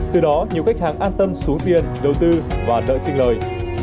từ đó nhiều khách hàng an tâm xuống tiền đầu tư và nợ xin lời